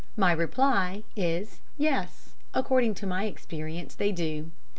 My reply is yes; according to my experience they do.